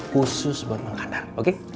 khusus buat mak kandar oke